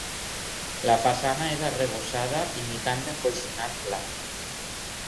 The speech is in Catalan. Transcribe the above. La façana és arrebossada imitant encoixinat pla.